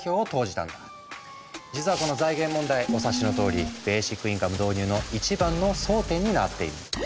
実はこの財源問題お察しのとおりベーシックインカム導入の一番の争点になっているの。